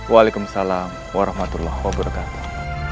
waalaikumsalam warahmatullahi wabarakatuh